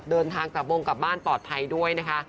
เดินทางกลับวงกลับบ้านปลอดภัยด้วยนะคะ